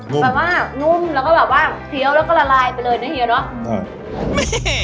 แบบว่านุ่มแล้วก็แบบว่าเคี้ยวแล้วก็ละลายไปเลยนะเฮียเนอะ